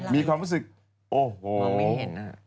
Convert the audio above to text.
มีความรู้สึกโอ้โหมองไม่เห็น